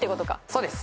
そうです。